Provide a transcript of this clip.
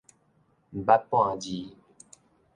毋捌半字